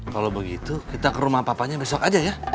kalau begitu kita ke rumah papanya besok aja ya